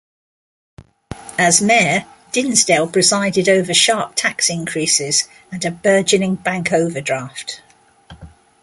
As mayor, Dinsdale presided over sharp tax increases and a burgeoning bank overdraft.